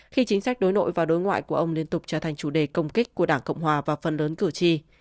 khi chính sách đối nội và đối ngoại của ông liên tục trở thành chủ đề công kích của đảng cộng hòa và phần lớn cử tri